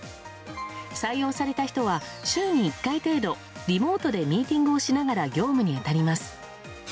採用された人は週に１回程度、リモートでミーティングをしながら業務に当たります。